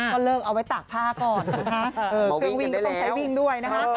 ก็เลิกเอาไว้ตากผ้าก่อนนะคะเครื่องวิ่งก็ต้องใช้วิ่งด้วยนะคะ